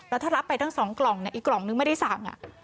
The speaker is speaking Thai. แล้วถ้ารับไปทั้ง๒กล่องอีกกล่องนึงไม่ได้สั่ง